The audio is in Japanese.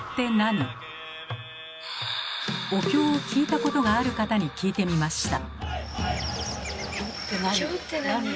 お経を聞いたことがある方に聞いてみました。